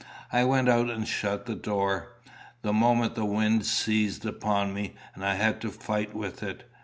I went out and shut the door. That moment the wind seized upon me, and I had to fight with it.